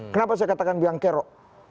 kenapa saya katakan biang kerok